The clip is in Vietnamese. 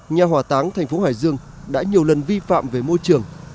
nhà hỏa táng thành phố hải dương đã nhiều lần vi phạm về môi trường